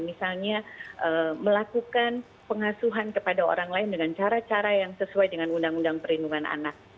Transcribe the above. misalnya melakukan pengasuhan kepada orang lain dengan cara cara yang sesuai dengan undang undang perlindungan anak